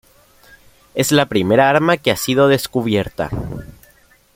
Es la primera arma que ha sido descubierta.